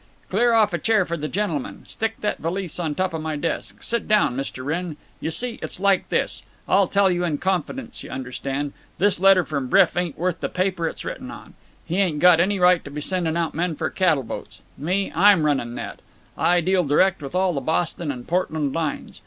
"Clear off a chair for the gentleman. Stick that valise on top my desk…. Sit down, Mr. Wrenn. You see, it's like this: I'll tell you in confidence, you understand. This letter from Bryff ain't worth the paper it's written on. He ain't got any right to be sending out men for cattle boats. Me, I'm running that. I deal direct with all the Boston and Portland lines.